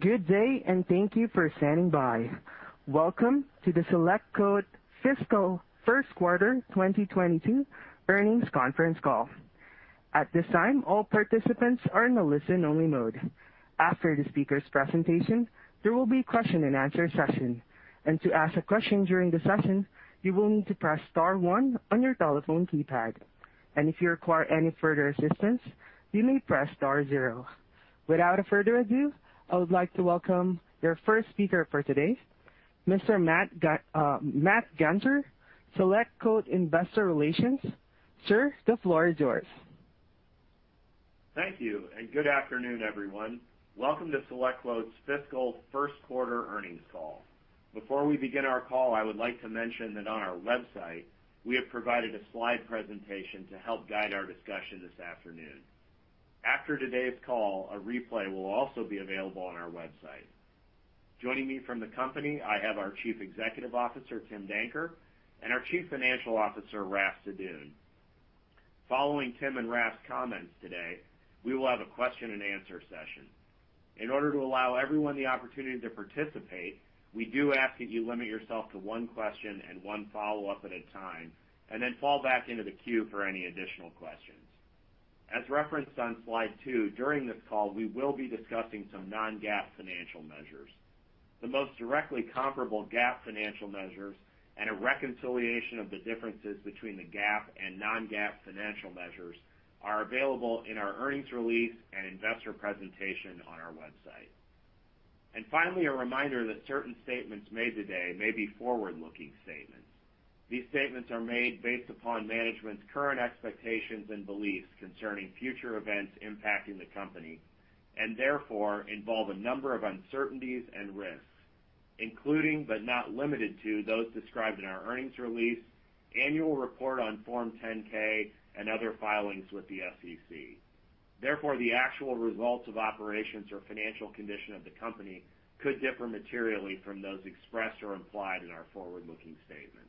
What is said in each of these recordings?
Good day, and thank you for standing by. Welcome to the SelectQuote Fiscal First Quarter 2022 Earnings Conference Call. At this time, all participants are in a listen-only mode. After the speaker's presentation, there will be question-and-answer session. To ask a question during the session, you will need to press star one on your telephone keypad. If you require any further assistance, you may press star zero. Without further ado, I would like to welcome your first speaker for today, Mr. Matt Gunter, SelectQuote Investor Relations. Sir, the floor is yours. Thank you, and good afternoon, everyone. Welcome to SelectQuote's Fiscal First Quarter Earnings Call. Before we begin our call, I would like to mention that on our website, we have provided a slide presentation to help guide our discussion this afternoon. After today's call, a replay will also be available on our website. Joining me from the company, I have our Chief Executive Officer, Tim Danker, and our Chief Financial Officer, Raff Sadun. Following Tim and Raff's comments today, we will have a question-and-answer session. In order to allow everyone the opportunity to participate, we do ask that you limit yourself to one question and one follow-up at a time, and then fall back into the queue for any additional questions. As referenced on slide two, during this call, we will be discussing some non-GAAP financial measures. The most directly comparable GAAP financial measures and a reconciliation of the differences between the GAAP and non-GAAP financial measures are available in our earnings release and investor presentation on our website. Finally, a reminder that certain statements made today may be forward-looking statements. These statements are made based upon management's current expectations and beliefs concerning future events impacting the company, and therefore, involve a number of uncertainties and risks, including but not limited to those described in our earnings release, annual report on Form 10-K, and other filings with the SEC. Therefore, the actual results of operations or financial condition of the company could differ materially from those expressed or implied in our forward-looking statements.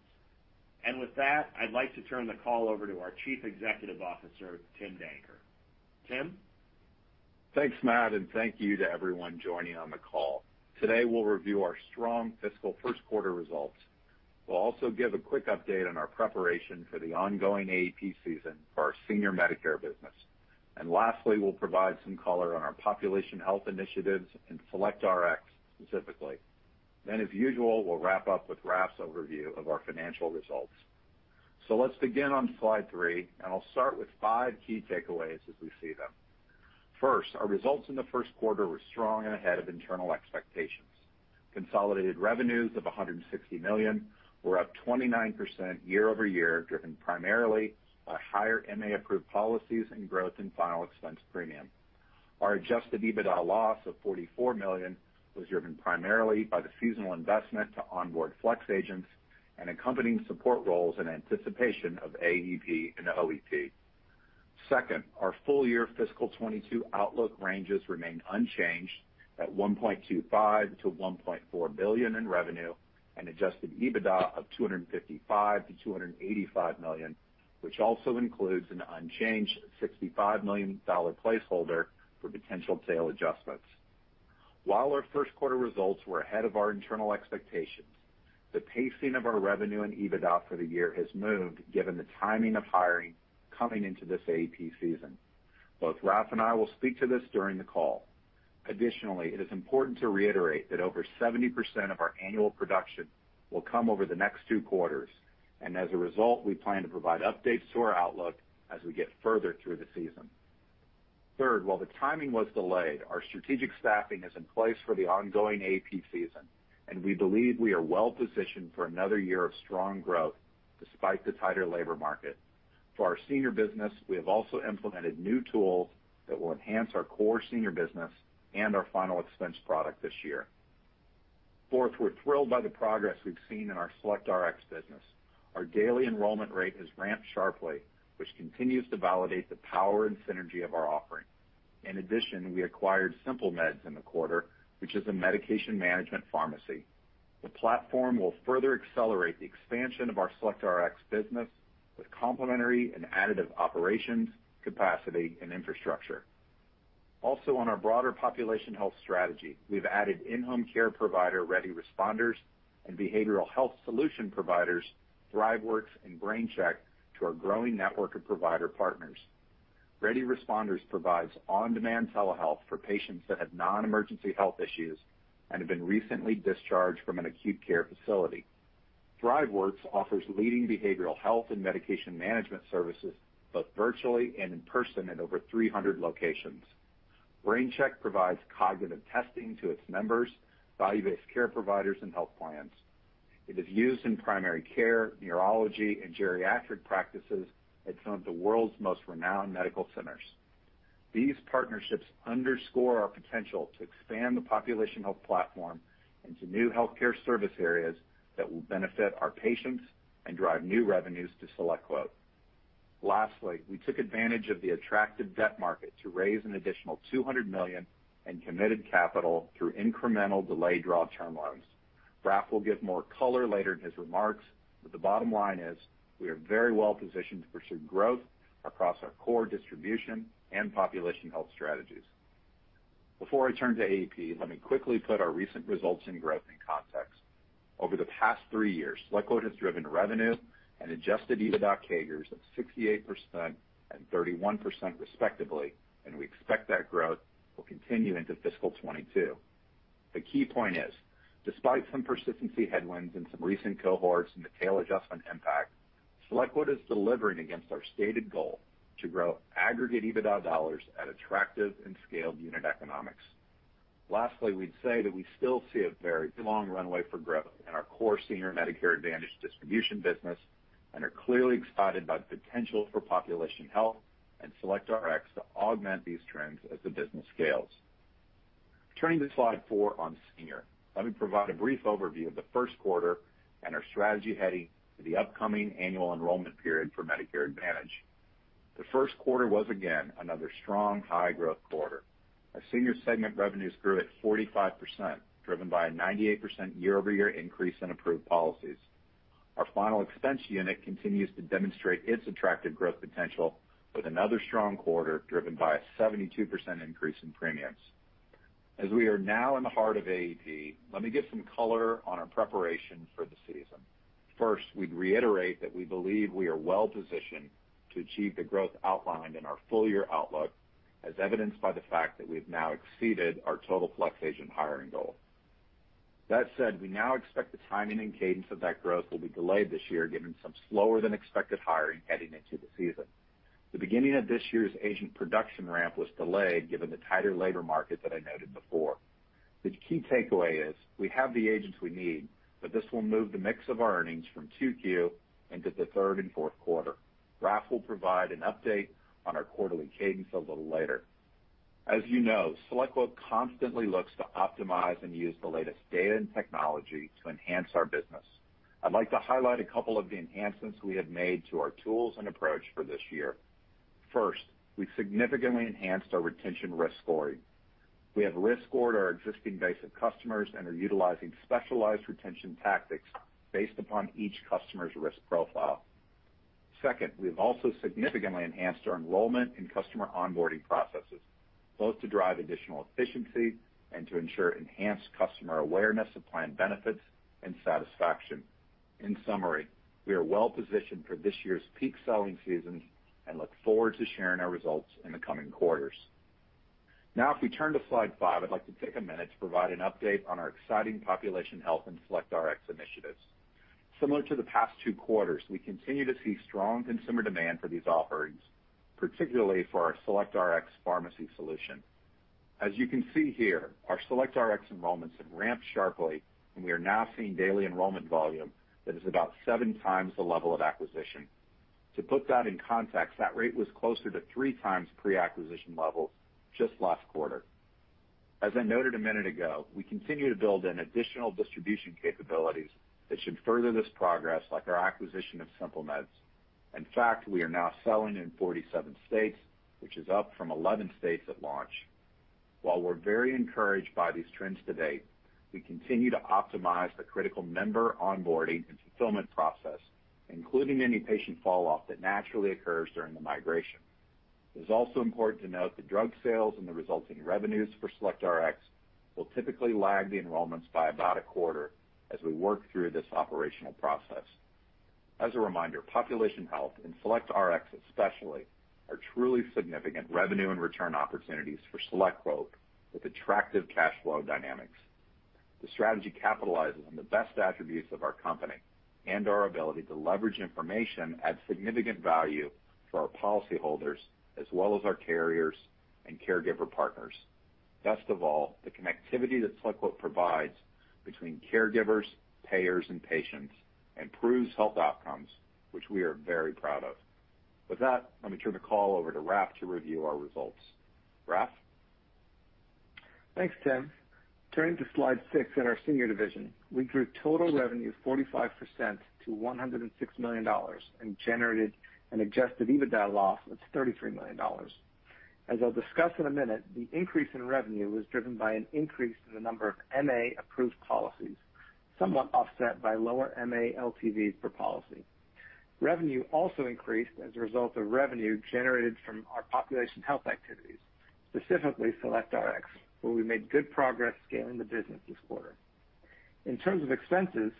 With that, I'd like to turn the call over to our Chief Executive Officer, Tim Danker. Tim? Thanks, Matt, and thank you to everyone joining on the call. Today, we'll review our strong fiscal first quarter results. We'll also give a quick update on our preparation for the ongoing AEP season for our Senior Medicare business. Lastly, we'll provide some color on our population health initiatives and SelectRx specifically. As usual, we'll wrap up with Raff's overview of our financial results. Let's begin on slide three, and I'll start with five key takeaways as we see them. First, our results in the first quarter were strong and ahead of internal expectations. Consolidated revenues of $160 million were up 29% year-over-year, driven primarily by higher MA-approved policies and growth in final expense premium. Our Adjusted EBITDA loss of $44 million was driven primarily by the seasonal investment to onboard flex agents and accompanying support roles in anticipation of AEP and OEP. Second, our full-year fiscal 2022 outlook ranges remain unchanged at $1.25 billion-$1.4 billion in revenue and Adjusted EBITDA of $255 million-$285 million, which also includes an unchanged $65 million placeholder for potential sale adjustments. While our first quarter results were ahead of our internal expectations, the pacing of our revenue and EBITDA for the year has moved given the timing of hiring coming into this AEP season. Both Raff and I will speak to this during the call. Additionally, it is important to reiterate that over 70% of our annual production will come over the next two quarters, and as a result, we plan to provide updates to our outlook as we get further through the season. Third, while the timing was delayed, our strategic staffing is in place for the ongoing AEP season, and we believe we are well positioned for another year of strong growth despite the tighter labor market. For our senior business, we have also implemented new tools that will enhance our core senior business and our final expense product this year. Fourth, we're thrilled by the progress we've seen in our SelectRx business. Our daily enrollment rate has ramped sharply, which continues to validate the power and synergy of our offering. In addition, we acquired Simple Meds in the quarter, which is a medication management pharmacy. The platform will further accelerate the expansion of our SelectRx business with complementary and additive operations, capacity, and infrastructure. Also on our broader population health strategy, we've added in-home care provider, Ready Responders, and behavioral health solution providers, Thriveworks and BrainCheck, to our growing network of provider partners. Ready Responders provides on-demand telehealth for patients that have non-emergency health issues and have been recently discharged from an acute care facility. Thriveworks offers leading behavioral health and medication management services, both virtually and in person in over 300 locations. BrainCheck provides cognitive testing to its members, value-based care providers, and health plans. It is used in primary care, neurology, and geriatric practices at some of the world's most renowned medical centers. These partnerships underscore our potential to expand the population health platform into new healthcare service areas that will benefit our patients and drive new revenues to SelectQuote. Lastly, we took advantage of the attractive debt market to raise an additional $200 million in committed capital through incremental delayed draw term loans. Raff will give more color later in his remarks, but the bottom line is we are very well positioned to pursue growth across our core distribution and population health strategies. Before I turn to AEP, let me quickly put our recent results and growth in context. Over the past three years, SelectQuote has driven revenue and Adjusted EBITDA CAGRs of 68% and 31% respectively, and we expect that growth will continue into fiscal 2022. The key point is, despite some persistency headwinds in some recent cohorts and the tail adjustment impact, SelectQuote is delivering against our stated goal to grow aggregate EBITDA dollars at attractive and scaled unit economics. Lastly, we'd say that we still see a very long runway for growth in our core Senior Medicare Advantage distribution business and are clearly excited about the potential for population health and SelectRx to augment these trends as the business scales. Turning to slide four on Senior, let me provide a brief overview of the first quarter and our strategy heading to the upcoming Annual Enrollment Period for Medicare Advantage. The first quarter was again another strong high-growth quarter. Our Senior segment revenues grew at 45%, driven by a 98% year-over-year increase in approved policies. Our final expense unit continues to demonstrate its attractive growth potential with another strong quarter, driven by a 72% increase in premiums. As we are now in the heart of AEP, let me give some color on our preparation for the season. First, we'd reiterate that we believe we are well-positioned to achieve the growth outlined in our full year outlook, as evidenced by the fact that we've now exceeded our total flex agent hiring goal. That said, we now expect the timing and cadence of that growth will be delayed this year, given some slower than expected hiring heading into the season. The beginning of this year's agent production ramp was delayed, given the tighter labor market that I noted before. The key takeaway is we have the agents we need, but this will move the mix of our earnings from 2Q into the third and fourth quarter. Raff will provide an update on our quarterly cadence a little later. As you know, SelectQuote constantly looks to optimize and use the latest data and technology to enhance our business. I'd like to highlight a couple of the enhancements we have made to our tools and approach for this year. First, we've significantly enhanced our retention risk scoring. We have risk scored our existing base of customers and are utilizing specialized retention tactics based upon each customer's risk profile. Second, we have also significantly enhanced our enrollment and customer onboarding processes, both to drive additional efficiency and to ensure enhanced customer awareness of plan benefits and satisfaction. In summary, we are well positioned for this year's peak selling season and look forward to sharing our results in the coming quarters. Now, if we turn to slide five, I'd like to take a minute to provide an update on our exciting population health and SelectRx initiatives. Similar to the past two quarters, we continue to see strong consumer demand for these offerings, particularly for our SelectRx pharmacy solution. As you can see here, our SelectRx enrollments have ramped sharply, and we are now seeing daily enrollment volume that is about seven times the level of acquisition. To put that in context, that rate was closer to three times pre-acquisition levels just last quarter. As I noted a minute ago, we continue to build in additional distribution capabilities that should further this progress, like our acquisition of Simple Meds. In fact, we are now selling in 47 states, which is up from 11 states at launch. While we're very encouraged by these trends to date, we continue to optimize the critical member onboarding and fulfillment process, including any patient falloff that naturally occurs during the migration. It's also important to note the drug sales and the resulting revenues for SelectRx will typically lag the enrollments by about a quarter as we work through this operational process. As a reminder, population health, and SelectRx especially, are truly significant revenue and return opportunities for SelectQuote with attractive cash flow dynamics. The strategy capitalizes on the best attributes of our company and our ability to leverage information, add significant value for our policyholders, as well as our carriers and caregiver partners. Best of all, the connectivity that SelectQuote provides between caregivers, payers, and patients improves health outcomes, which we are very proud of. With that, let me turn the call over to Raff to review our results. Raff? Thanks, Tim. Turning to slide six in our senior division, we grew total revenue 45% to $106 million and generated an Adjusted EBITDA loss of $33 million. As I'll discuss in a minute, the increase in revenue was driven by an increase in the number of MA-approved policies, somewhat offset by lower MA LTVs per policy. Revenue also increased as a result of revenue generated from our population health activities, specifically SelectRx, where we made good progress scaling the business this quarter. In terms of expenses,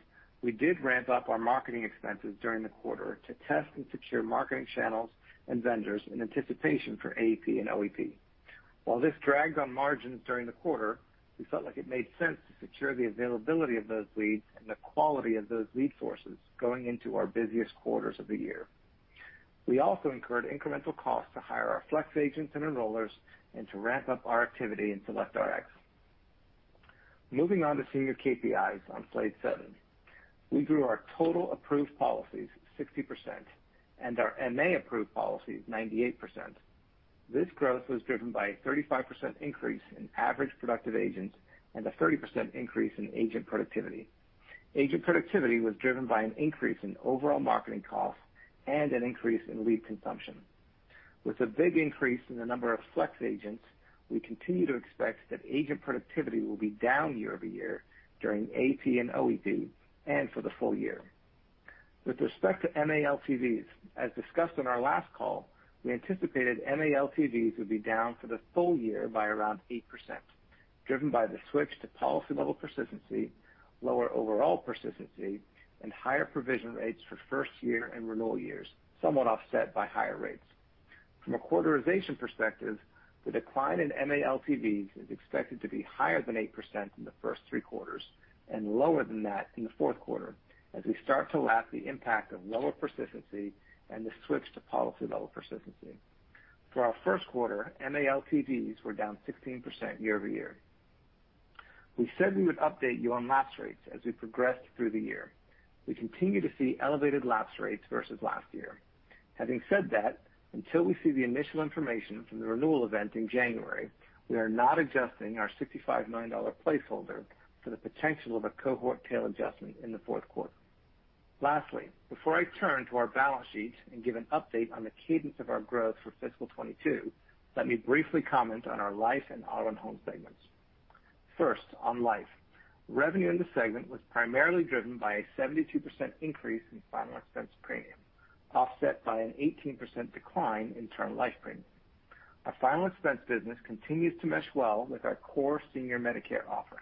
we did ramp up our marketing expenses during the quarter to test and secure marketing channels and vendors in anticipation for AEP and OEP. While this dragged on margins during the quarter, we felt like it made sense to secure the availability of those leads and the quality of those lead sources going into our busiest quarters of the year. We also incurred incremental costs to hire our flex agents and enrollers and to ramp up our activity in SelectRx. Moving on to senior KPIs on slide seven. We grew our total approved policies 60% and our MA-approved policies 98%. This growth was driven by a 35% increase in average productive agents and a 30% increase in agent productivity. Agent productivity was driven by an increase in overall marketing costs and an increase in lead consumption. With a big increase in the number of flex agents, we continue to expect that agent productivity will be down year-over-year during AEP and OED and for the full year. With respect to MA LTVs, as discussed on our last call, we anticipated MA LTVs would be down for the full year by around 8%, driven by the switch to policy level persistency, lower overall persistency, and higher provision rates for first year and renewal years, somewhat offset by higher rates. From a quarterization perspective, the decline in MA LTVs is expected to be higher than 8% in the first three quarters and lower than that in the fourth quarter as we start to lap the impact of lower persistency and the switch to policy level persistency. For our first quarter, MA LTVs were down 16% year-over-year. We said we would update you on lapse rates as we progressed through the year. We continue to see elevated lapse rates versus last year. Having said that, until we see the initial information from the renewal event in January, we are not adjusting our $65 million placeholder for the potential of a cohort tail adjustment in the fourth quarter. Lastly, before I turn to our balance sheet and give an update on the cadence of our growth for fiscal 2022, let me briefly comment on our life and auto and home segments. First, on life. Revenue in the segment was primarily driven by a 72% increase in final expense premium, offset by an 18% decline in term life premium. Our final expense business continues to mesh well with our core senior Medicare offering,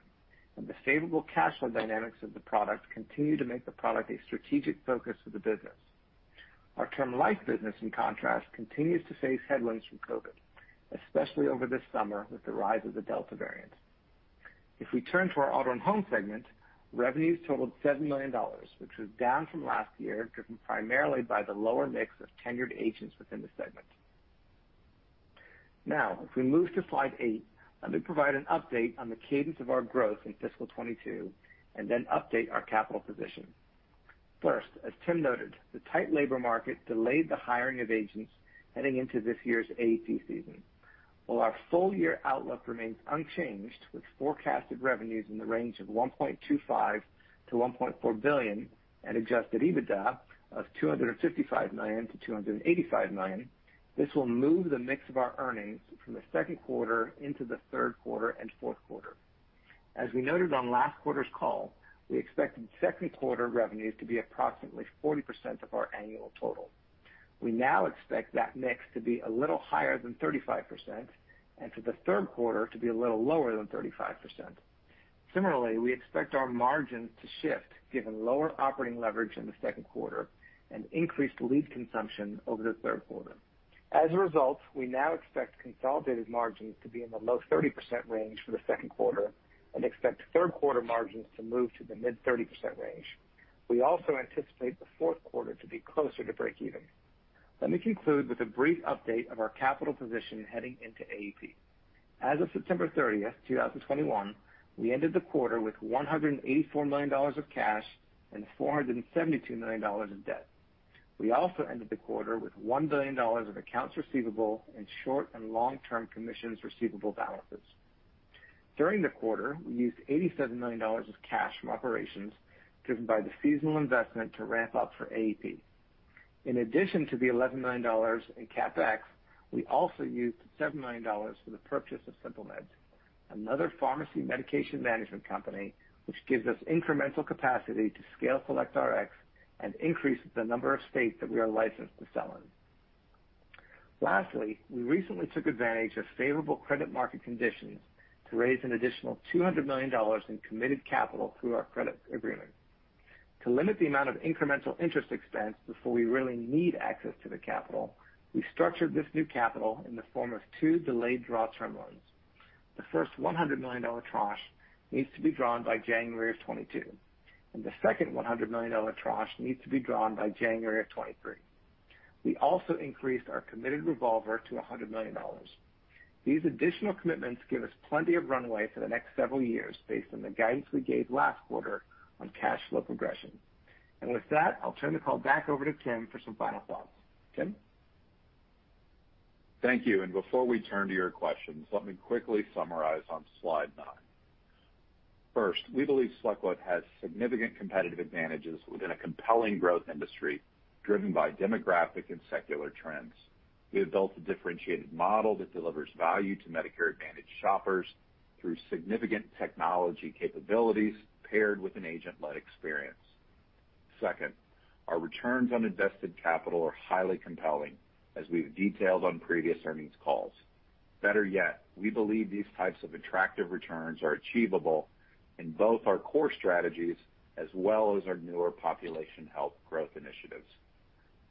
and the favorable cash flow dynamics of the product continue to make the product a strategic focus of the business. Our term life business, in contrast, continues to face headwinds from COVID, especially over this summer with the rise of the Delta variant. If we turn to our auto and home segment, revenues totaled $7 million, which was down from last year, driven primarily by the lower mix of tenured agents within the segment. Now, if we move to slide eight, let me provide an update on the cadence of our growth in fiscal 2022 and then update our capital position. First, as Tim noted, the tight labor market delayed the hiring of agents heading into this year's AP season. While our full year outlook remains unchanged, with forecasted revenues in the range of $1.25 billion-$1.4 billion at Adjusted EBITDA of $255 million-$285 million, this will move the mix of our earnings from the second quarter into the third quarter and fourth quarter. As we noted on last quarter's call, we expected second quarter revenues to be approximately 40% of our annual total. We now expect that mix to be a little higher than 35% and for the third quarter to be a little lower than 35%. Similarly, we expect our margins to shift given lower operating leverage in the second quarter and increased lead consumption over the third quarter. As a result, we now expect consolidated margins to be in the low 30% range for the second quarter and expect third quarter margins to move to the mid-30% range. We also anticipate the fourth quarter to be closer to breakeven. Let me conclude with a brief update of our capital position heading into AP. As of September 30, 2021, we ended the quarter with $184 million of cash and $472 million of debt. We also ended the quarter with $1 billion of accounts receivable in short and long-term commissions receivable balances. During the quarter, we used $87 million of cash from operations driven by the seasonal investment to ramp up for AP. In addition to the $11 million in CapEx, we also used $7 million for the purchase of Simple Meds, another pharmacy medication management company which gives us incremental capacity to scale SelectRx and increase the number of states that we are licensed to sell in. Lastly, we recently took advantage of favorable credit market conditions to raise an additional $200 million in committed capital through our credit agreement. To limit the amount of incremental interest expense before we really need access to the capital, we structured this new capital in the form of two delayed draw term loans. The first $100 million tranche needs to be drawn by January 2022, and the second $100 million tranche needs to be drawn by January 2023. We also increased our committed revolver to $100 million. These additional commitments give us plenty of runway for the next several years based on the guidance we gave last quarter on cash flow progression. With that, I'll turn the call back over to Tim for some final thoughts. Tim? Thank you. Before we turn to your questions, let me quickly summarize on slide nine. First, we believe SelectQuote has significant competitive advantages within a compelling growth industry driven by demographic and secular trends. We have built a differentiated model that delivers value to Medicare Advantage shoppers through significant technology capabilities paired with an agent-led experience. Second, our returns on invested capital are highly compelling, as we've detailed on previous earnings calls. Better yet, we believe these types of attractive returns are achievable in both our core strategies as well as our newer population health growth initiatives.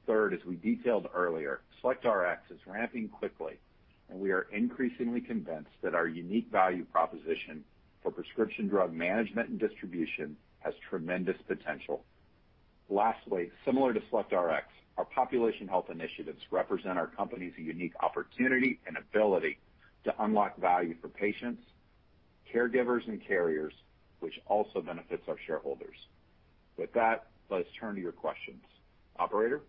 Third, as we detailed earlier, SelectRx is ramping quickly, and we are increasingly convinced that our unique value proposition for prescription drug management and distribution has tremendous potential. Lastly, similar to SelectRx, our population health initiatives represent our company's unique opportunity and ability to unlock value for patients, caregivers, and carriers, which also benefits our shareholders. With that, let's turn to your questions. Operator?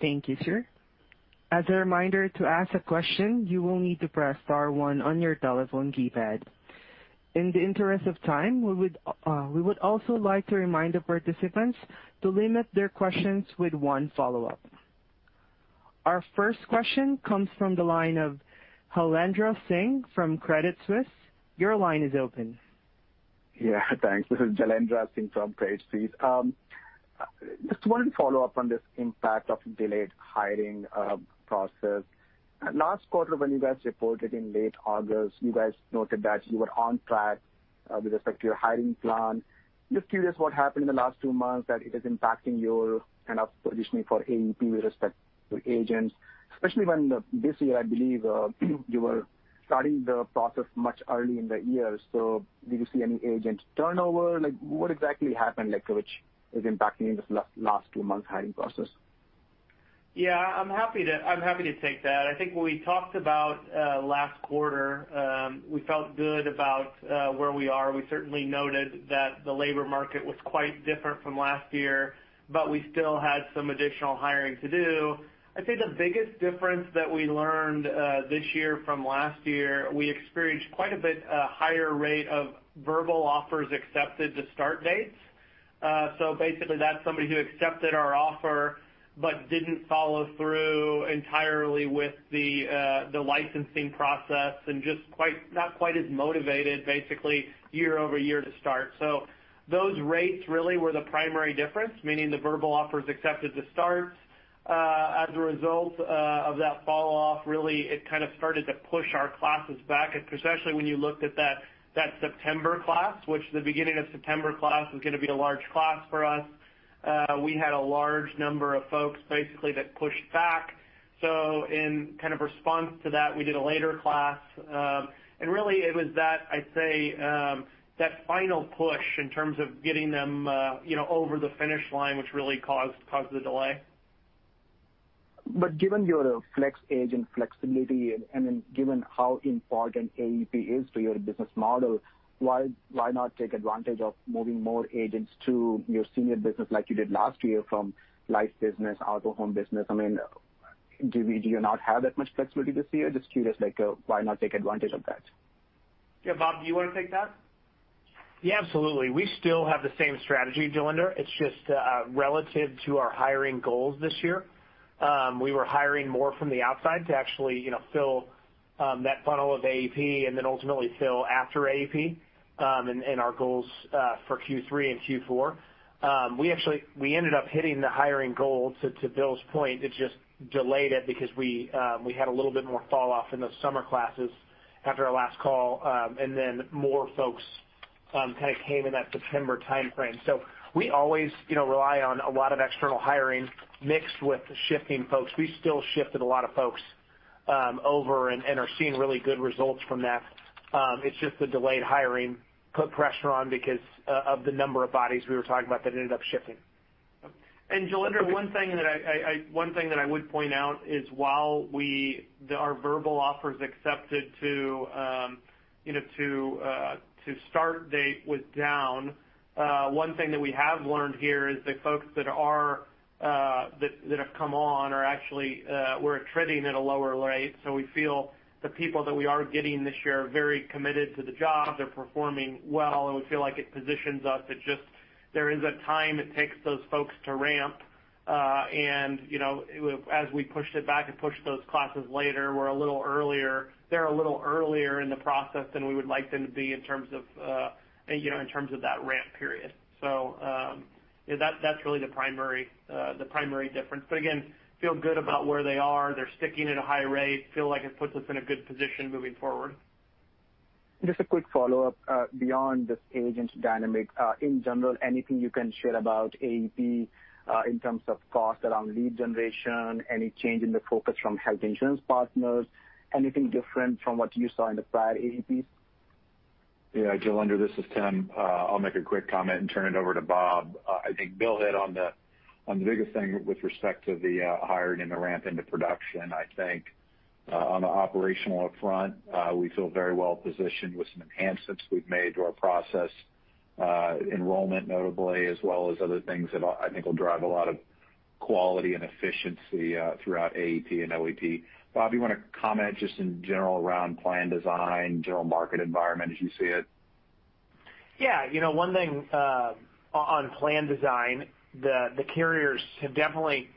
Thank you, sir. As a reminder, to ask a question, you will need to press star one on your telephone keypad. In the interest of time, we would also like to remind the participants to limit their questions with one follow-up. Our first question comes from the line of Jailendra Singh from Credit Suisse. Your line is open. Yeah, thanks. This is Jailendra Singh from Credit Suisse. Just wanted to follow up on this impact of delayed hiring process. Last quarter, when you guys reported in late August, you guys noted that you were on track with respect to your hiring plan. Just curious what happened in the last two months that it is impacting your kind of positioning for AEP with respect to agents, especially when this year, I believe, you were starting the process much earlier in the year. Did you see any agent turnover? Like, what exactly happened, like, which is impacting this last two months hiring process? Yeah, I'm happy to take that. I think when we talked about last quarter, we felt good about where we are. We certainly noted that the labor market was quite different from last year, but we still had some additional hiring to do. I'd say the biggest difference that we learned this year from last year, we experienced quite a bit higher rate of verbal offers accepted to start dates. So basically that's somebody who accepted our offer but didn't follow through entirely with the licensing process and just not quite as motivated basically year over year to start. Those rates really were the primary difference, meaning the verbal offers accepted to start. As a result of that fall off, really, it kind of started to push our classes back. Especially when you looked at that September class, which the beginning of September class was gonna be a large class for us. We had a large number of folks basically that pushed back. In kind of response to that, we did a later class. Really it was that, I'd say, that final push in terms of getting them, you know, over the finish line, which really caused the delay. Given your flex agent flexibility and then given how important AEP is to your business model, why not take advantage of moving more agents to your senior business like you did last year from life business, out of home business? I mean, do you not have that much flexibility this year? Just curious, like, why not take advantage of that? Yeah. Bob, do you wanna take that? Yeah, absolutely. We still have the same strategy, Jailendra. It's just relative to our hiring goals this year. We were hiring more from the outside to actually, you know, fill that funnel of AEP and then ultimately fill after AEP, and our goals for Q3 and Q4. We actually ended up hitting the hiring goal. To Bill's point, it just delayed it because we had a little bit more falloff in those summer classes after our last call, and then more folks kinda came in that September timeframe. We always, you know, rely on a lot of external hiring mixed with shifting folks. We still shifted a lot of folks over and are seeing really good results from that. It's just the delayed hiring put pressure on because of the number of bodies we were talking about that ended up shifting. Jailendra, one thing that I would point out is while our verbal offers accepted to you know to start date was down, one thing that we have learned here is the folks that have come on are actually we're attriting at a lower rate. We feel the people that we are getting this year are very committed to the job. They're performing well, and we feel like it positions us. It just, there is a time it takes those folks to ramp. You know, as we pushed it back and pushed those classes later, we're a little earlier, they're a little earlier in the process than we would like them to be in terms of, you know, in terms of that ramp period. That's really the primary difference. Again, feel good about where they are. They're sticking at a high rate. Feel like it puts us in a good position moving forward. Just a quick follow-up. Beyond this agent dynamic, in general, anything you can share about AEP, in terms of cost around lead generation? Any change in the focus from health insurance partners? Anything different from what you saw in the prior AEPs? Yeah, Jailendra, this is Tim. I'll make a quick comment and turn it over to Bob. I think Bill hit on the biggest thing with respect to the hiring and the ramp into production. I think on the operational front we feel very well positioned with some enhancements we've made to our process, enrollment notably, as well as other things that I think will drive a lot of quality and efficiency throughout AEP and OEP. Bob, you wanna comment just in general around plan design, general market environment as you see it? Yeah. You know, one thing, on plan design, the carriers have definitely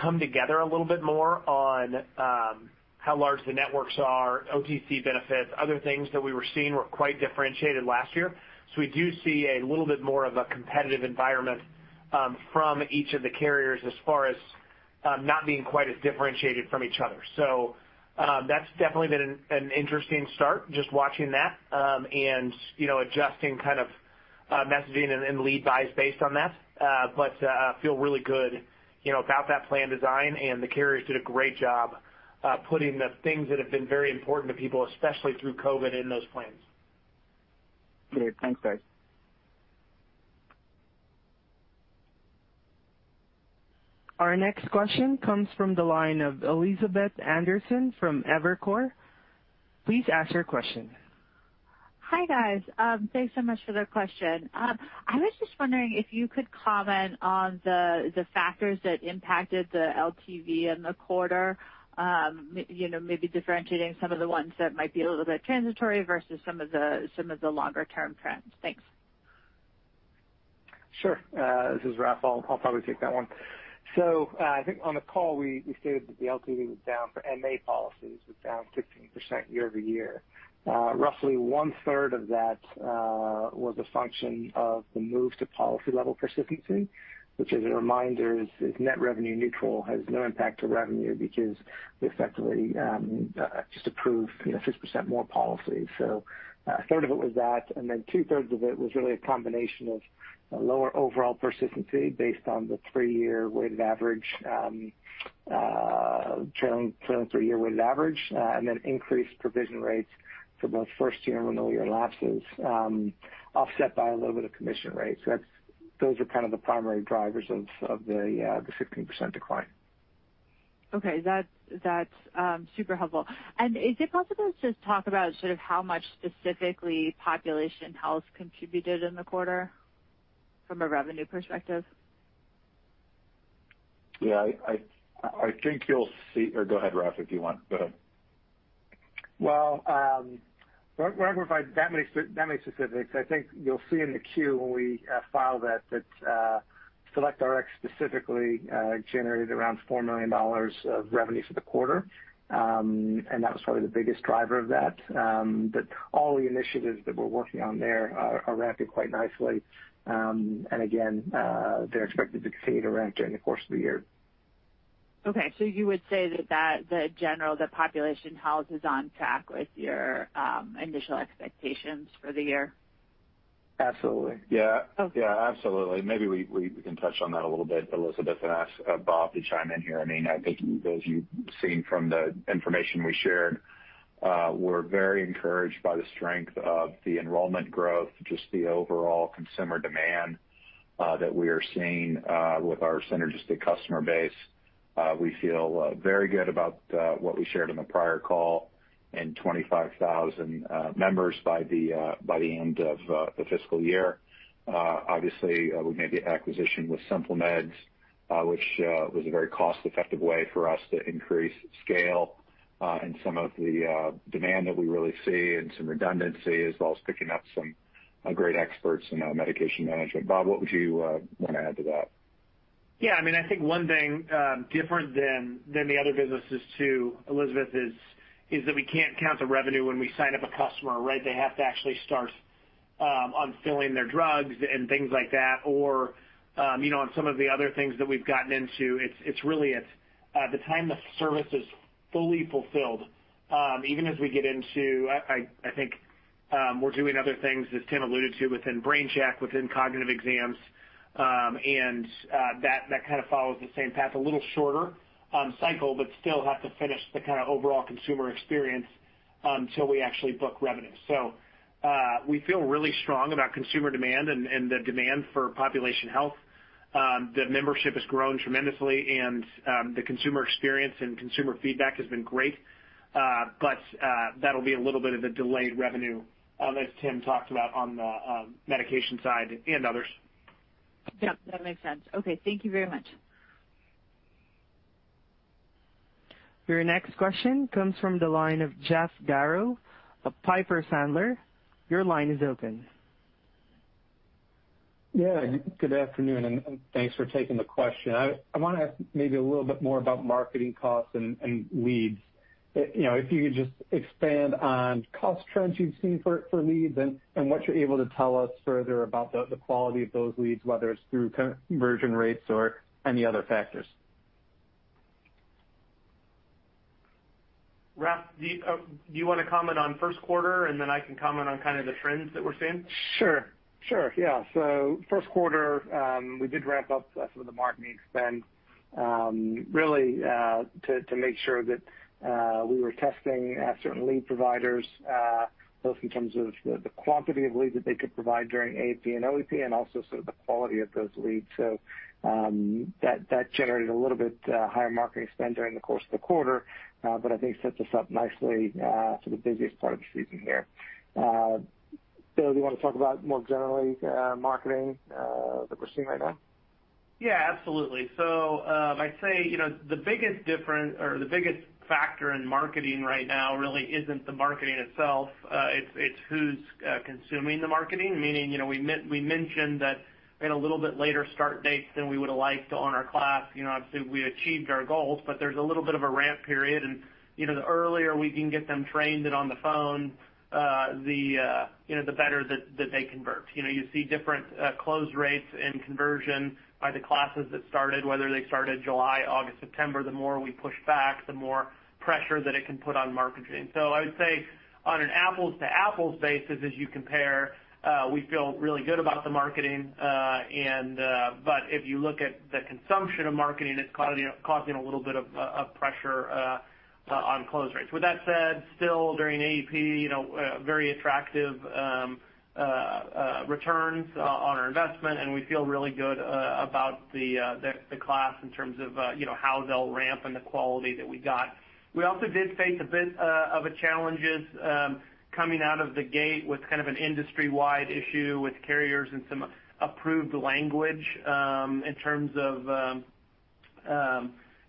come together a little bit more on how large the networks are, OTC benefits. Other things that we were seeing were quite differentiated last year. We do see a little bit more of a competitive environment from each of the carriers as far as not being quite as differentiated from each other. That's definitely been an interesting start, just watching that, and you know, adjusting kind of messaging and lead buys based on that. Feel really good, you know, about that plan design, and the carriers did a great job putting the things that have been very important to people, especially through COVID, in those plans. Great. Thanks, guys. Our next question comes from the line of Elizabeth Anderson from Evercore. Please ask your question. Hi, guys. Thanks so much for the question. I was just wondering if you could comment on the factors that impacted the LTV in the quarter, you know, maybe differentiating some of the ones that might be a little bit transitory versus some of the longer term trends. Thanks. Sure. This is Raff. I'll probably take that one. I think on the call, we stated that the LTV was down 15% for MA policies year-over-year. Roughly one third of that was a function of the move to policy-level persistency, which, as a reminder, is net revenue neutral, has no impact to revenue because we effectively just approved, you know, 60% more policies. A third of it was that, and then two thirds of it was really a combination of lower overall persistency based on the trailing three-year weighted average, and then increased provision rates for both first year and renewal year lapses, offset by a little bit of commission rates. Those are kind of the primary drivers of the 15% decline. Okay. That's super helpful. Is it possible to just talk about sort of how much specifically population health contributed in the quarter from a revenue perspective? Yeah. I think you'll see. Go ahead, Raff, if you want. Go ahead. Well, we're not gonna provide that many specifics. I think you'll see in the Q when we file that, SelectRx specifically generated around $4 million of revenue for the quarter, and that was probably the biggest driver of that. But all the initiatives that we're working on there are ramping quite nicely, and again, they're expected to continue to ramp during the course of the year. Okay. You would say that the general population health is on track with your initial expectations for the year? Absolutely. Yeah. Okay. Yeah. Absolutely. Maybe we can touch on that a little bit, Elizabeth, and ask Bob to chime in here. I mean, I think as you've seen from the information we shared, we're very encouraged by the strength of the enrollment growth, just the overall consumer demand that we are seeing with our synergistic customer base. We feel very good about what we shared in the prior call and 25,000 members by the end of the fiscal year. Obviously, we made the acquisition with Simple Meds, which was a very cost-effective way for us to increase scale in some of the demand that we really see and some redundancy, as well as picking up some great experts in medication management. Bob, what would you wanna add to that? Yeah. I mean, I think one thing different than the other businesses too, Elizabeth, is that we can't count the revenue when we sign up a customer, right? They have to actually start on filling their drugs and things like that, or you know, on some of the other things that we've gotten into. It's really at the time the service is fully fulfilled, even as we get into. I think we're doing other things, as Tim alluded to, within BrainCheck, within cognitive exams, and that kind of follows the same path, a little shorter cycle, but still have to finish the kinda overall consumer experience till we actually book revenue. We feel really strong about consumer demand and the demand for population health. The membership has grown tremendously, and the consumer experience and consumer feedback has been great. That'll be a little bit of a delayed revenue, as Tim talked about on the medication side and others. Yep. That makes sense. Okay. Thank you very much. Your next question comes from the line of Jeff Garro of Piper Sandler. Your line is open. Yeah. Good afternoon, and thanks for taking the question. I wanna ask maybe a little bit more about marketing costs and leads. You know, if you could just expand on cost trends you've seen for leads and what you're able to tell us further about the quality of those leads, whether it's through conversion rates or any other factors. Raff, do you wanna comment on first quarter, and then I can comment on kind of the trends that we're seeing? Sure. Yeah. First quarter, we did ramp up some of the marketing spend, really to make sure that we were testing certain lead providers, both in terms of the quantity of leads that they could provide during AEP and OEP and also sort of the quality of those leads. That generated a little bit higher marketing spend during the course of the quarter, but I think sets us up nicely for the busiest part of the season here. Bill, do you wanna talk about more generally marketing that we're seeing right now? Yeah. Absolutely. I'd say, you know, the biggest difference or the biggest factor in marketing right now really isn't the marketing itself. It's who's consuming the marketing, meaning, you know, we mentioned that we had a little bit later start dates than we would've liked on our class. You know, obviously, we achieved our goals, but there's a little bit of a ramp period. You know, the earlier we can get them trained and on the phone, you know, the better that they convert. You know, you see different close rates and conversion by the classes that started, whether they started July, August, September. The more we push back, the more pressure that it can put on marketing. I would say on an apples to apples basis, as you compare, we feel really good about the marketing. If you look at the consumption of marketing, it's causing a little bit of pressure on close rates. With that said, still during AEP, very attractive returns on our investment, and we feel really good about the class in terms of, you know, how they'll ramp and the quality that we got. We also did face a bit of a challenges coming out of the gate with kind of an industry-wide issue with carriers and some approved language in terms of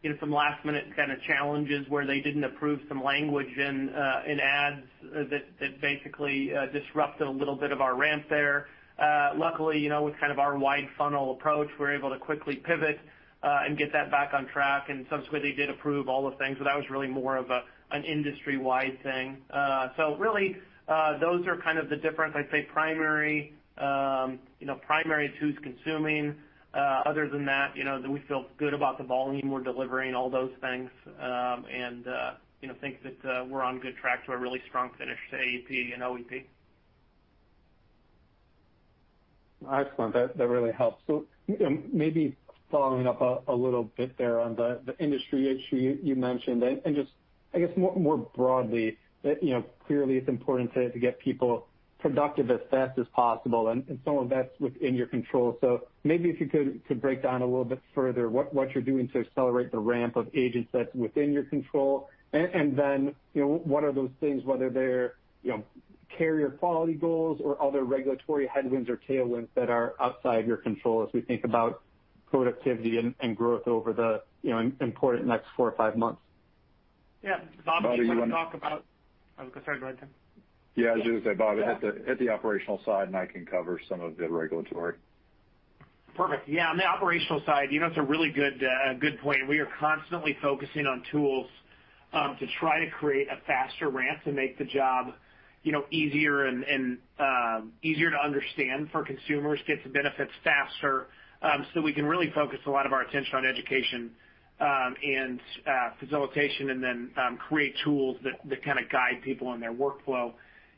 you know some last-minute kind of challenges where they didn't approve some language in ads that basically disrupted a little bit of our ramp there. Luckily you know with kind of our wide funnel approach we're able to quickly pivot and get that back on track and subsequently they did approve all the things. That was really more of an industry-wide thing. Really those are kind of the difference. I'd say primary you know primary to who's consuming. Other than that, you know that we feel good about the volume we're delivering, all those things, and you know think that we're on good track to a really strong finish to AEP and OEP. Excellent. That really helps. Maybe following up a little bit there on the industry issue you mentioned, and just I guess more broadly, you know, clearly it's important to get people productive as fast as possible and some of that's within your control. Maybe if you could break down a little bit further what you're doing to accelerate the ramp of agents that's within your control. And then, you know, what are those things, whether they're, you know, carrier quality goals or other regulatory headwinds or tailwinds that are outside your control as we think about productivity and growth over the, you know, important next four or five months. Yeah. Bob, do you wanna talk about. Oh, sorry, go ahead, Tim. Yeah, I was gonna say, Bob, hit the operational side, and I can cover some of the regulatory. Perfect. Yeah, on the operational side, you know, it's a really good point. We are constantly focusing on tools to try to create a faster ramp to make the job, you know, easier and easier to understand for consumers, get the benefits faster, so we can really focus a lot of our attention on education and facilitation, and then create tools that kinda guide people on their workflow.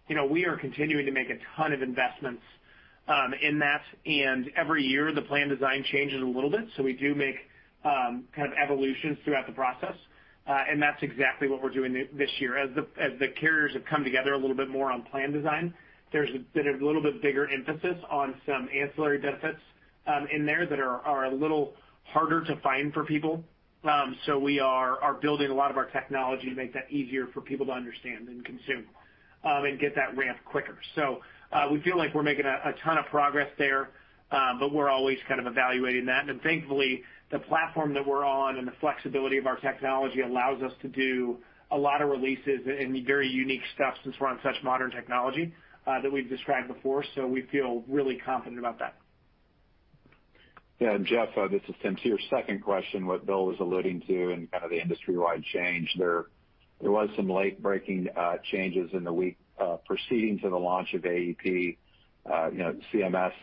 You know, we are continuing to make a ton of investments in that, and every year, the plan design changes a little bit. We do make kind of evolutions throughout the process, and that's exactly what we're doing this year. As the carriers have come together a little bit more on plan design, there's been a little bit bigger emphasis on some ancillary benefits in there that are a little harder to find for people. So we are building a lot of our technology to make that easier for people to understand and consume and get that ramp quicker. We feel like we're making a ton of progress there, but we're always kind of evaluating that. Thankfully, the platform that we're on and the flexibility of our technology allows us to do a lot of releases and very unique stuff since we're on such modern technology that we've described before. We feel really confident about that. Yeah. Jeff, this is Tim. To your second question, what Bill was alluding to and kind of the industry-wide change, there was some late breaking changes in the week preceding to the launch of AEP. You know, CMS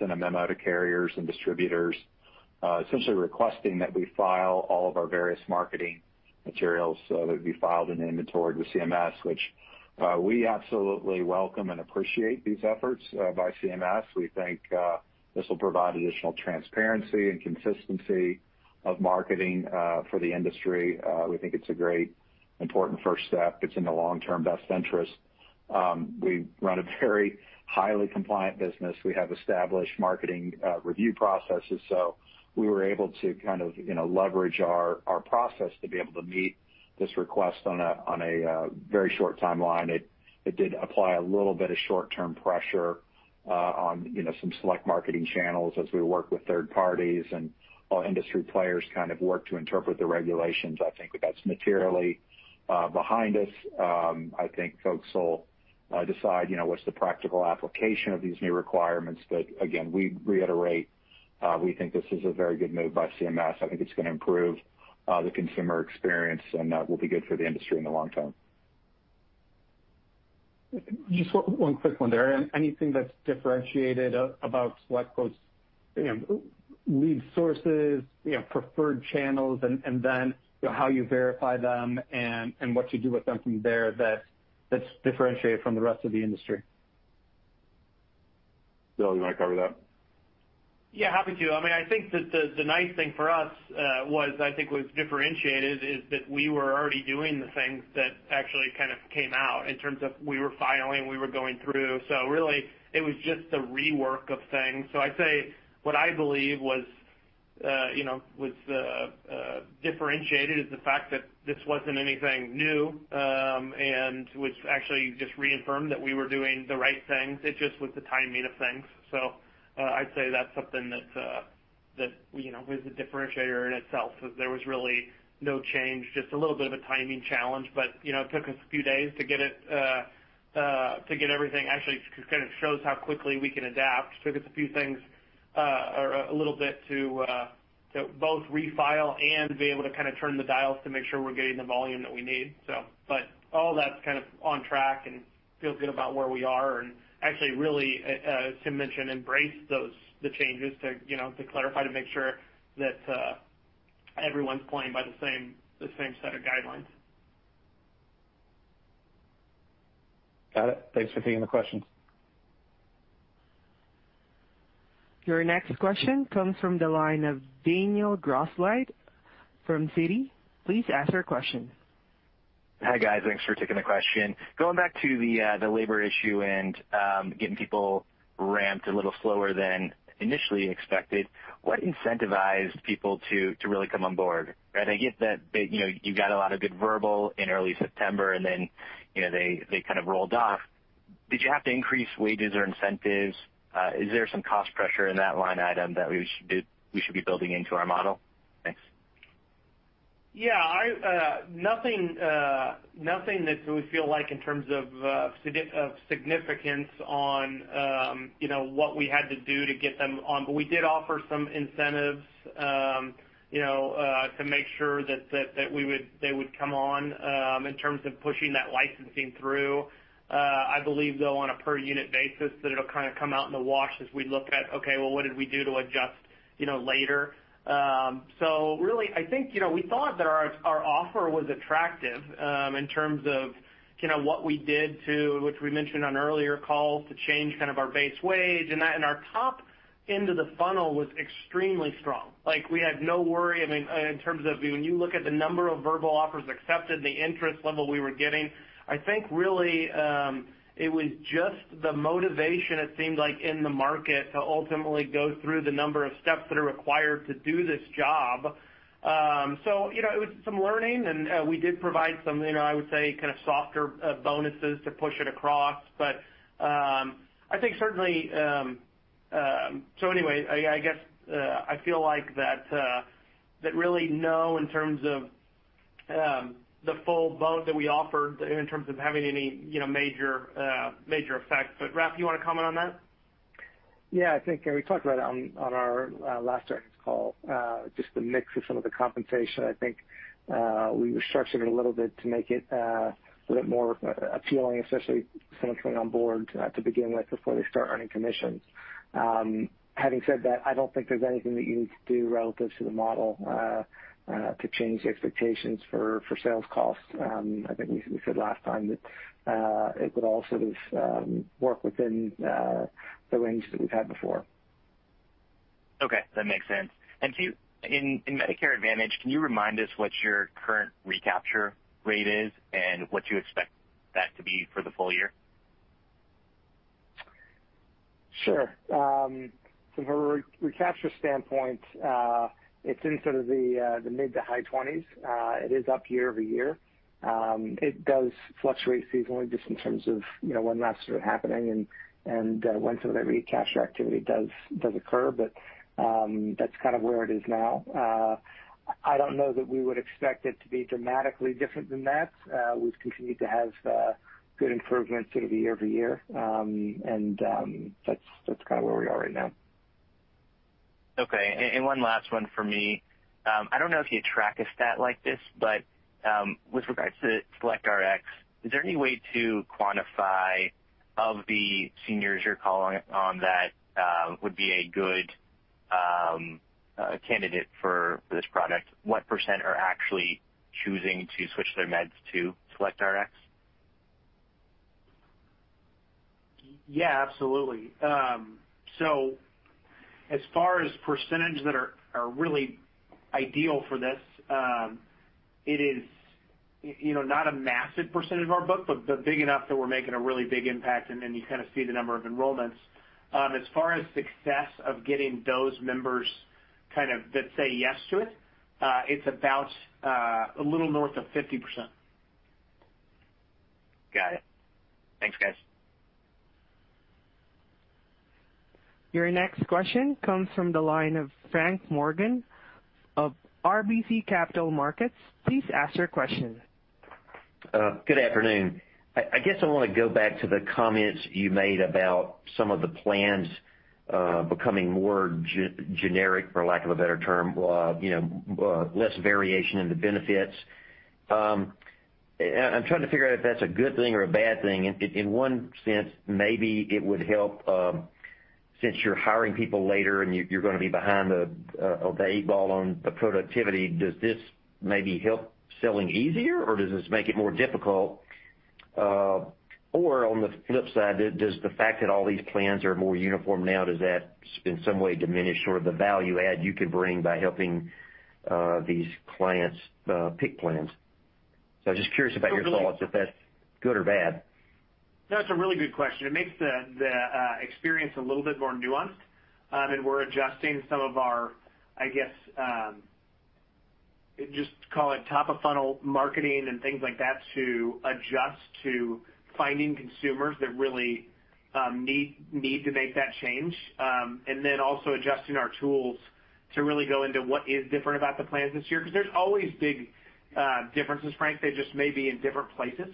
sent a memo to carriers and distributors, essentially requesting that we file all of our various marketing materials, that'd be filed and inventoried with CMS, which we absolutely welcome and appreciate these efforts by CMS. We think this will provide additional transparency and consistency of marketing for the industry. We think it's a great important first step. It's in the long-term best interest. We run a very highly compliant business. We have established marketing review processes, so we were able to kind of, you know, leverage our process to be able to meet this request on a very short timeline. It did apply a little bit of short-term pressure on, you know, some select marketing channels as we work with third parties and all industry players kind of work to interpret the regulations. I think that's materially behind us. I think folks will decide, you know, what's the practical application of these new requirements. Again, we reiterate we think this is a very good move by CMS. I think it's gonna improve the consumer experience, and will be good for the industry in the long term. Just one quick one there. Anything that's differentiated about SelectQuote's, you know, lead sources, you know, preferred channels, and then, you know, how you verify them and what you do with them from there that's differentiated from the rest of the industry? Bill, you wanna cover that? Yeah, happy to. I mean, I think that the nice thing for us was differentiated is that we were already doing the things that actually kind of came out in terms of we were filing, we were going through. Really, it was just a rework of things. I'd say what I believe was, you know, differentiated is the fact that this wasn't anything new, and which actually just reaffirmed that we were doing the right things. It just was the timing of things. I'd say that's something that, you know, was a differentiator in itself, 'cause there was really no change, just a little bit of a timing challenge. You know, it took us a few days to get everything. Actually, it kind of shows how quickly we can adapt. It took us a few things, or a little bit to both refile and be able to kinda turn the dials to make sure we're getting the volume that we need. All that's kind of on track and we feel good about where we are. Actually, really, as Tim mentioned, embrace those changes to, you know, clarify, to make sure that everyone's playing by the same set of guidelines. Got it. Thanks for taking the questions. Your next question comes from the line of Daniel Grosslight from Citi. Please ask your question. Hi, guys. Thanks for taking the question. Going back to the labor issue and getting people ramped a little slower than initially expected, what incentivized people to really come on board? I think it's that you know you got a lot of good verbal in early September and then you know they kind of rolled off. Did you have to increase wages or incentives? Is there some cost pressure in that line item that we should be building into our model? Thanks. Yeah, nothing that we feel like in terms of significance on, you know, what we had to do to get them on. We did offer some incentives, you know, to make sure that they would come on, in terms of pushing that licensing through. I believe, though, on a per unit basis, that it'll kind of come out in the wash as we look at, okay, well, what did we do to adjust, you know, later. Really, I think, you know, we thought that our offer was attractive, in terms of, you know, what we did to, which we mentioned on earlier calls, to change kind of our base wage, and that. Our top end of the funnel was extremely strong. Like, we had no worry. I mean, in terms of when you look at the number of verbal offers accepted, the interest level we were getting, I think really it was just the motivation it seemed like in the market to ultimately go through the number of steps that are required to do this job. You know, it was some learning, and we did provide some, you know, I would say kind of softer bonuses to push it across. I think certainly I guess I feel like that really no in terms of the full bonus that we offered in terms of having any major effect. Raff, you wanna comment on that? Yeah, I think we talked about it on our last earnings call, just the mix of some of the compensation. I think we restructured it a little bit to make it a little bit more appealing, especially someone coming on board, to begin with before they start earning commissions. Having said that, I don't think there's anything that you need to do relative to the model, to change the expectations for sales costs. I think we said last time that it would all sort of work within the range that we've had before. Okay, that makes sense. Can you, in Medicare Advantage, remind us what your current recapture rate is and what you expect that to be for the full year? Sure. From a recapture standpoint, it's in sort of the mid- to high 20s%. It is up year-over-year. It does fluctuate seasonally just in terms of, you know, when lapses are happening and when some of that recapture activity does occur. That's kind of where it is now. I don't know that we would expect it to be dramatically different than that. We've continued to have good improvements sort of year-over-year. That's kind of where we are right now. Okay. One last one for me. I don't know if you track a stat like this, but with regards to SelectRx, is there any way to quantify of the seniors you're calling on that would be a good candidate for this product? What percent are actually choosing to switch their meds to SelectRx? Yeah, absolutely. As far as percentage that are really ideal for this, it is, you know, not a massive percentage of our book, but big enough that we're making a really big impact, and then you kind of see the number of enrollments. As far as success of getting those members, kind of, that say yes to it's about a little north of 50%. Got it. Thanks, guys. Your next question comes from the line of Frank Morgan of RBC Capital Markets. Please ask your question. Good afternoon. I guess I wanna go back to the comments you made about some of the plans becoming more generic, for lack of a better term, you know, less variation in the benefits. I'm trying to figure out if that's a good thing or a bad thing. In one sense, maybe it would help, since you're hiring people later and you're gonna be behind the eight ball on the productivity. Does this maybe help selling easier, or does this make it more difficult? Or on the flip side, does the fact that all these plans are more uniform now, does that in some way diminish sort of the value add you could bring by helping these clients pick plans? I was just curious about your thoughts if that's good or bad. That's a really good question. It makes the experience a little bit more nuanced. We're adjusting some of our, I guess, just call it top of funnel marketing and things like that to adjust to finding consumers that really need to make that change. Then also adjusting our tools to really go into what is different about the plans this year. There's always big differences, Frank. They just may be in different places.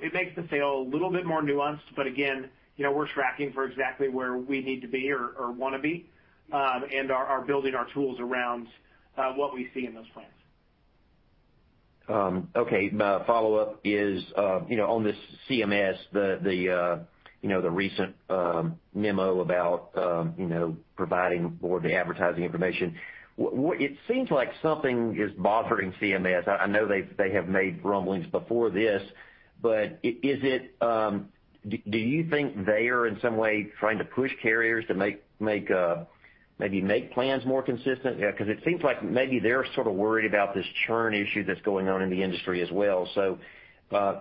It makes the sale a little bit more nuanced, but again, you know, we're tracking for exactly where we need to be or wanna be, and are building our tools around what we see in those plans. Okay. Follow-up is, you know, on this CMS, the recent memo about, you know, providing more of the advertising information. It seems like something is bothering CMS. I know they have made rumblings before this, but is it, do you think they are in some way trying to push carriers to make plans more consistent? 'Cause it seems like maybe they're sort of worried about this churn issue that's going on in the industry as well. Do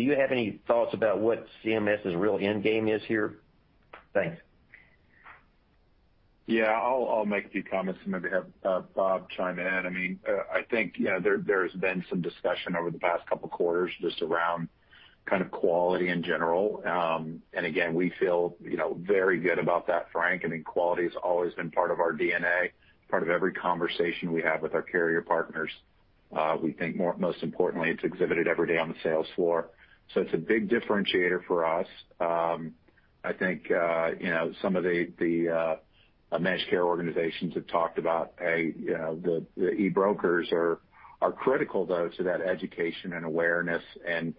you have any thoughts about what CMS's real end game is here? Thanks. Yeah, I'll make a few comments and maybe have Bob chime in. I mean, I think, you know, there has been some discussion over the past couple quarters just around kind of quality in general. Again, we feel, you know, very good about that, Frank. I mean, quality has always been part of our DNA, part of every conversation we have with our carrier partners. We think most importantly, it's exhibited every day on the sales floor. It's a big differentiator for us. I think, you know, some of the managed care organizations have talked about, hey, you know, the e-brokers are critical though to that education and awareness and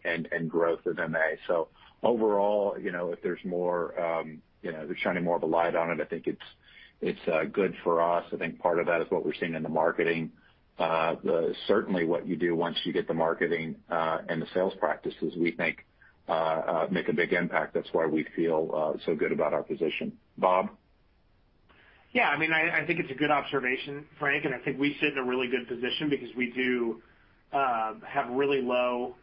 growth of MA. Overall, you know, if there's more, you know, they're shining more of a light on it, I think it's good for us. I think part of that is what we're seeing in the marketing. Certainly what you do once you get the marketing and the sales practices, we think, make a big impact. That's why we feel so good about our position. Bob? Yeah. I mean, I think it's a good observation, Frank, and I think we sit in a really good position because we do have really low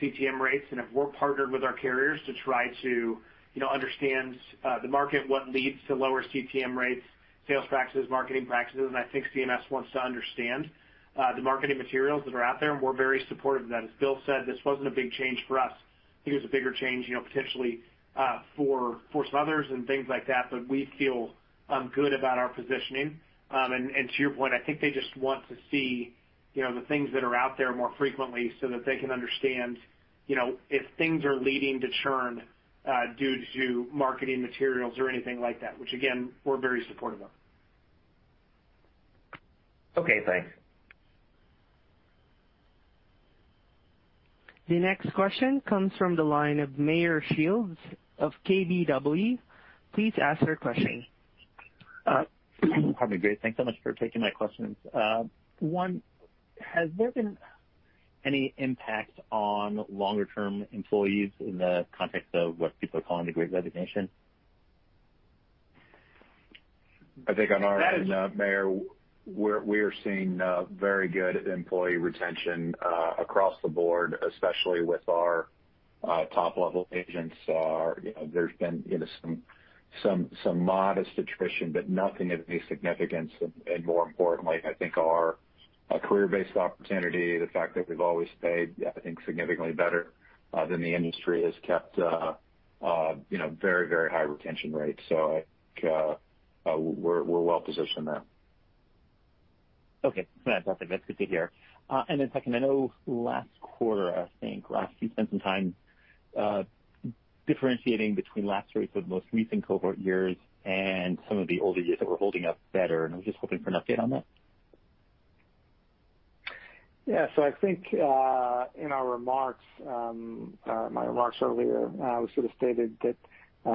CTM rates. If we're partnered with our carriers to try to, you know, understand the market, what leads to lower CTM rates, sales practices, marketing practices, and I think CMS wants to understand the marketing materials that are out there, and we're very supportive of that. As Bill said, this wasn't a big change for us. I think it was a bigger change, you know, potentially, for some others and things like that, but we feel good about our positioning. To your point, I think they just want to see, you know, the things that are out there more frequently so that they can understand, you know, if things are leading to churn due to marketing materials or anything like that, which again, we're very supportive of. Okay, thanks. The next question comes from the line of Meyer Shields of KBW. Please ask your question. Probably great. Thanks so much for taking my questions. One, has there been any impact on longer-term employees in the context of what people are calling the Great Resignation? I think on our end, Meyer, we are seeing very good employee retention across the board, especially with our top-level agents. You know, there's been some modest attrition, but nothing of any significance. And more importantly, I think our career-based opportunity, the fact that we've always paid, I think, significantly better than the industry has kept, you know, very, very high retention rates. I think we're well positioned there. Okay. No, that's good to hear. Second, I know last quarter, I think, Raff, you spent some time differentiating between lapse rates of most recent cohort years and some of the older years that were holding up better, and I'm just hoping for an update on that. Yeah. I think in our remarks, my remarks earlier, we sort of stated that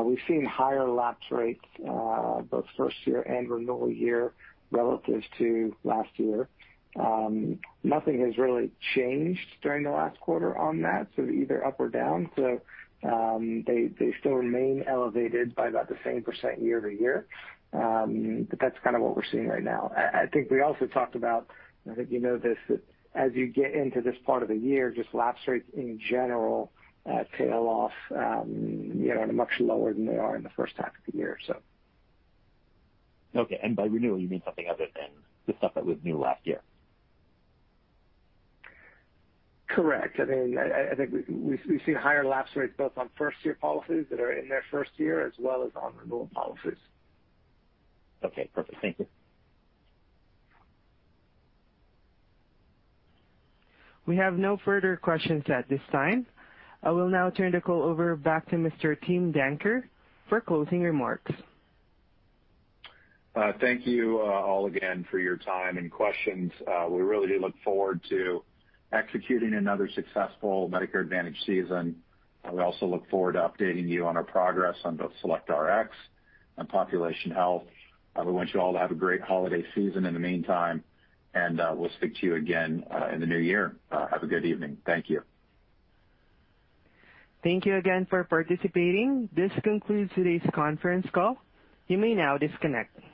we've seen higher lapse rates, both first year and renewal year relatives to last year. Nothing has really changed during the last quarter on that, so either up or down. They still remain elevated by about the same percent year-over-year. But that's kind of what we're seeing right now. I think we also talked about, and I think you know this, that as you get into this part of the year, just lapse rates in general tail off, you know, and much lower than they are in the first half of the year. Okay. By renewal, you mean something other than the stuff that was new last year? Correct. I mean, I think we've seen higher lapse rates both on first year policies that are in their first year as well as on renewal policies. Okay. Perfect. Thank you. We have no further questions at this time. I will now turn the call over back to Mr. Tim Danker for closing remarks. Thank you, all again for your time and questions. We really do look forward to executing another successful Medicare Advantage season. We also look forward to updating you on our progress on both SelectRx and population health. We want you all to have a great holiday season in the meantime, and we'll speak to you again in the new year. Have a good evening. Thank you. Thank you again for participating. This concludes today's conference call. You may now disconnect.